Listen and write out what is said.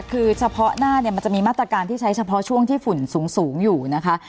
คือเฉพาะหน้าเนี่ยมันจะมีมาตรการที่ใช้เฉพาะช่วงที่ฝุ่นสูงอยู่นะคะ